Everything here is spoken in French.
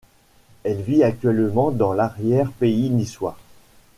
Elle vit actuellement dans l'arrière pays niçois.